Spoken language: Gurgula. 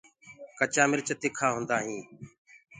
سوآ مرچ تِکآ هوندآ هينٚ۔